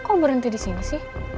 lo kok berhenti disini sih